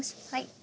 はい。